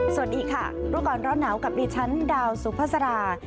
สวัสดีค่ะรู้ก่อนร้อนหนาวกับดิฉันดาวสุภาษา